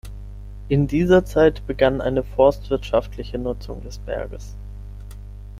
In dieser Zeit begann eine forstwirtschaftliche Nutzungs des Berges.